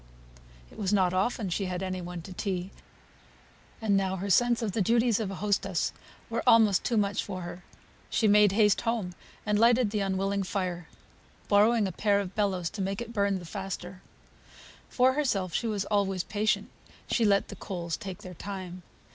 it was not often she had any one to tea; and now her sense of the duties of a hostess were almost too much for her. She made haste home, and lighted the unwilling fire, borrowing a pair of bellows to make it burn the faster. For herself she was always patient; she let the coals take their time.